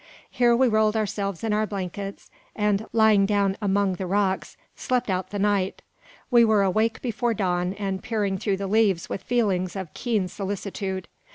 Here we rolled ourselves in our blankets, and, lying down among the rocks, slept out the night. We were awake before dawn, and peering through the leaves with feelings of keen solicitude.